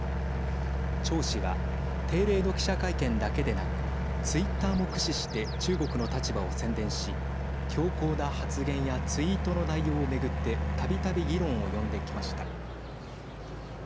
趙氏は定例の記者会見だけでなくツイッターも駆使して中国の立場を宣伝し強硬な発言やツイートの内容を巡ってたびたび議論を呼んできました。